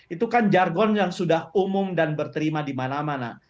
itu kan jargon yang sudah umum dan berterima di mana mana